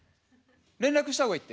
連絡した方がいいって。